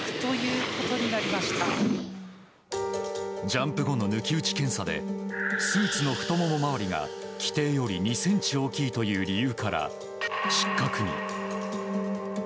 ジャンプ後の抜き打ち検査でスーツの太もも周りが規定より２ｃｍ大きいという理由から失格に。